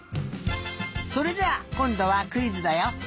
それじゃあこんどはクイズだよ。